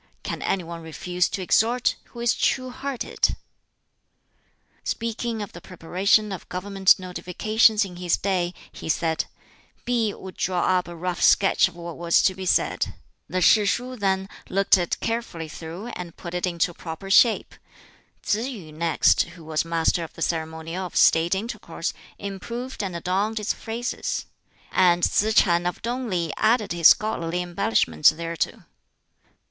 Can any one refuse to exhort, who is true hearted?" Speaking of the preparation of Government Notifications in his day he said, "P'i would draw up a rough sketch of what was to be said; the Shishuh then looked it carefully through and put it into proper shape; Tsz yu next, who was master of the ceremonial of State intercourse, improved and adorned its phrases; and Tsz ch'an of Tung li added his scholarly embellishments thereto."